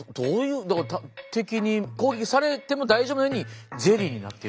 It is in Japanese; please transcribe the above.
だから敵に攻撃されても大丈夫なようにゼリーになってる。